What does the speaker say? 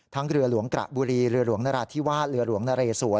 เรือหลวงกระบุรีเรือหลวงนราธิวาสเรือหลวงนเรสวน